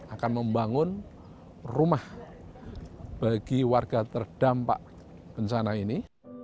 akan membangun rumah bagi warga terdampak bencana ini